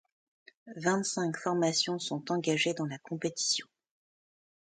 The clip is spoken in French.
Vingt-cinq formations sont engagées dans la compétition.